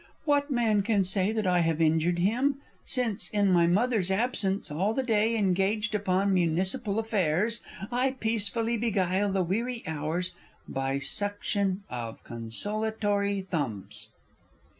What man can say that I have injured him? Since, in my Mother's absence all the day Engaged upon Municipal affairs, I peacefully beguile the weary hours By suction of consolatory thumbs.